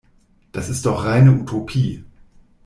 Das ist doch reine Utopie.